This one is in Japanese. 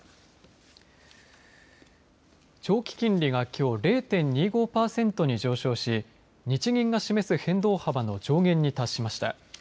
長期金利が、きょう０．２５パーセントに上昇し日銀が示す変動幅の上限に達しました。